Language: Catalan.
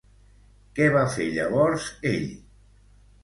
Què va fer llavors ell?